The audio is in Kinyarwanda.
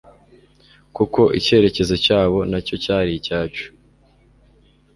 kuko icyerekezo cyabo nacyo cyari icyacu